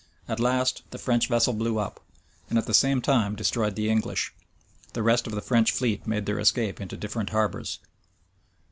At last the French vessel blew up; and at the same time destroyed the English.[*] The rest of the French fleet made their escape into different harbors.